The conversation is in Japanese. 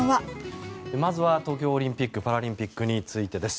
まずは東京オリンピック・パラリンピックについてです。